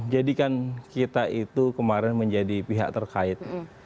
jadi kan kita itu kemarin menjadi pihak terkait